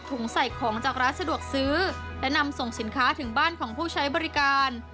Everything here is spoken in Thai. ใส่ของจากร้านสะดวกซื้อและนำส่งสินค้าถึงบ้านของผู้ใช้บริการ